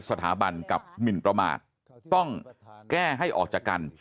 สถาบันกับหมินประมาทต้องแก้ให้ออกจากกัน